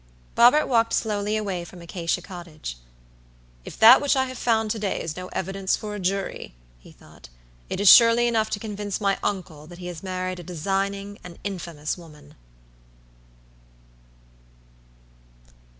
Robert walked slowly away from Acacia Cottage. "If that which I have found to day is no evidence for a jury," he thought, "it is surely enough to convince my uncle that he has married a designing and infamous woman."